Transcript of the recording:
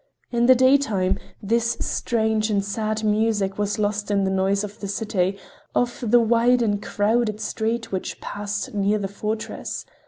In the daytime, this strange and sad music was lost in the noise of the city, of the wide and crowded street which passed near the fortress.